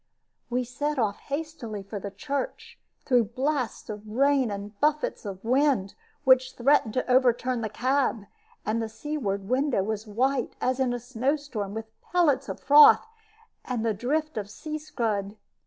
We set off hastily for the church, through blasts of rain and buffets of wind, which threatened to overturn the cab, and the seaward window was white, as in a snowstorm, with pellets of froth, and the drift of sea scud.